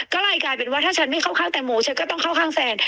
ก็เลยกลายเป็นว่าถ้าฉันไม่เข้าข้างแตงโมฉันก็ต้องเข้าข้างแฟน